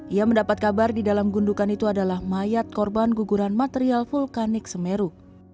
ia mendapat kabar di dalam gundukan itu adalah mayat korban guguran material vulkanik semeru